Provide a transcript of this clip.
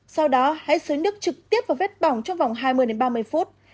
sau đó hãy xới nước trực tiếp vào vết bỏng trong vòng hai mươi ba mươi phút